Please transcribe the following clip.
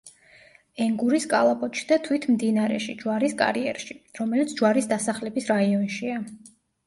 ენგურის კალაპოტში და თვით მდინარეში ჯვარის კარიერში, რომელიც ჯვარის დასახლების რაიონშია.